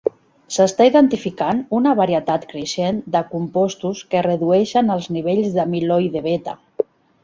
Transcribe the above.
S'està identificant una varietat creixent de compostos que redueixen els nivells d'amiloide beta.